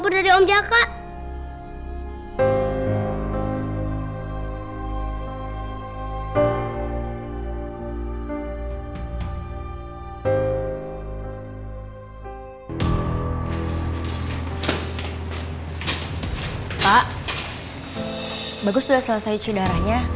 terima kasih ya